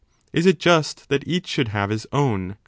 Is it just that each should have his own